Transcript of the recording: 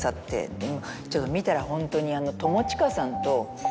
でもちょっと見たらホントにあの。